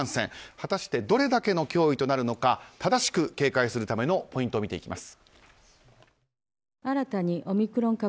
果たしてどれだけの脅威となるのか正しく警戒するためのポイントを見ていきます。